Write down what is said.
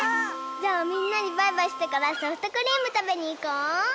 じゃあみんなにバイバイしてからソフトクリームたべにいこう！